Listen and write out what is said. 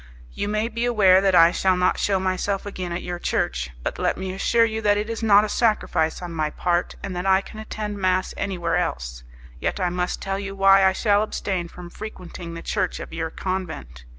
"You may be aware that I shall not shew myself again at your church; but let me assure you that it is not a sacrifice on my part, and that I can attend mass anywhere else. Yet I must tell you why I shall abstain from frequenting the church of your convent.